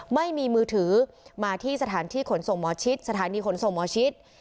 ไม่มีมือถือมาที่สถานที่ขนสมชิตสถานีขนสมชิต